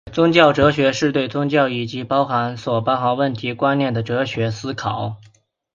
宗教哲学是对宗教以及其所包含的问题和观念的哲学思考。